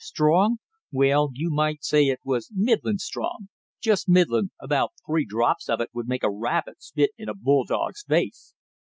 Strong? Well, you might say it was middling strong just middling about three drops of it would make a rabbit spit in a bulldog's face!"